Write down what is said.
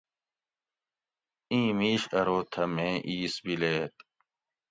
اِیں مِیش ارو تھہ مھیں اِیس بِلیت